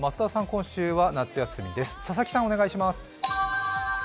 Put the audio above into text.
今週は夏休みです。